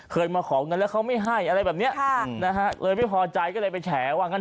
มาขอเงินแล้วเขาไม่ให้อะไรแบบเนี้ยค่ะนะฮะเลยไม่พอใจก็เลยไปแฉว่างั้น